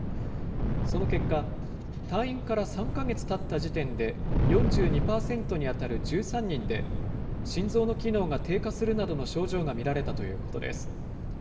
その結果、退院から３か月たった時点で、４２％に当たる１３人で、心臓の機能が低下するなどの症状が見られたということです。